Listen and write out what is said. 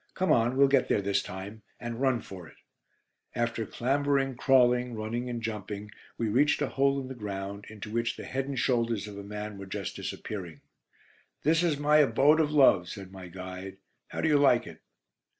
Come on; we'll get there this time, and run for it." After clambering, crawling, running and jumping, we reached a hole in the ground, into which the head and shoulders of a man were just disappearing. "This is my abode of love," said my guide. "How do you like it?"